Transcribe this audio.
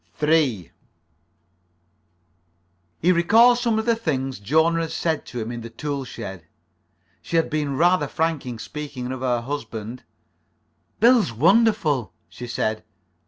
3 He recalled some of the things Jona had said to him in the tool shed. She had been rather frank in speaking of her husband. "Bill's wonderful," she said.